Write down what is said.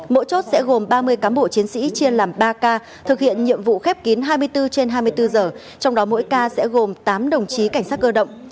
mỗi chốt sẽ gồm ba mươi cán bộ chiến sĩ chia làm ba k thực hiện nhiệm vụ khép kín hai mươi bốn trên hai mươi bốn giờ trong đó mỗi ca sẽ gồm tám đồng chí cảnh sát cơ động